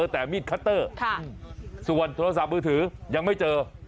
แต่มีดคัตเตอร์ส่วนโทรศัพท์มือถือยังไม่เจอ